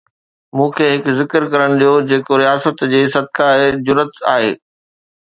مون کي هڪ ذڪر ڪرڻ ڏيو جيڪو رياست جي 'صدقه جرئت' آهي.